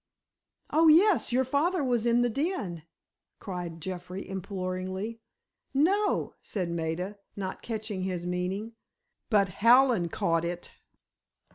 "Oh, yes, your father was in the den," cried Jeffrey, imploringly. "No," said Maida, not catching his meaning. But Hallen caught it.